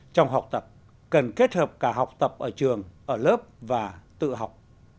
trong học tập cần kết hợp cả học tập ở trường ở lớp và tự học